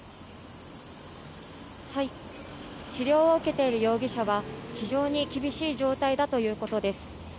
治療を受けている容疑者は、非常に厳しい状態だということです。